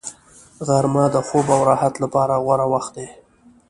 غرمه د خوب او راحت لپاره غوره وخت دی